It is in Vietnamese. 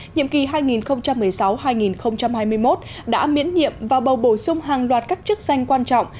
nhiệm kỳ hai nghìn một mươi sáu hai nghìn hai mươi một đã miễn nhiệm và bầu bổ sung hàng loạt các chức danh quan trọng